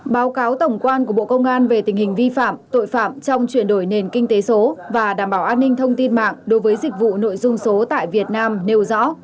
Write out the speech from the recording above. báo cáo tổng quan của bộ công an về tình hình vi phạm tội phạm trong chuyển đổi nền kinh tế số và đảm bảo an ninh thông tin mạng đối với dịch vụ nội dung số tại việt nam nêu rõ